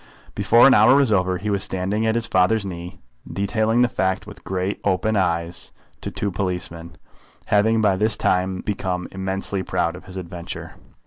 Before an hour was over he was standing at his father's knee, detailing the fact with great open eyes to two policemen, having by this time become immensely proud of his adventure.